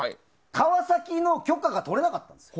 カワサキの許可が取れなかったんです。